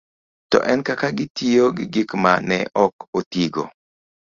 to en kaka gitiyo gi gik ma ne ok otigo.